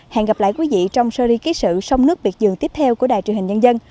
hẹn gặp lại quý vị trong series ký sự sông nước việt dương tiếp theo của đài truyền hình nhân dân